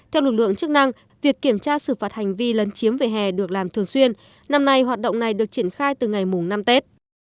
theo lực lượng chức năng việc kiểm tra xử phạt hành vi lấn chiếm về hè được làm thường xuyên năm nay hoạt động này được triển khai từ ngày năm tết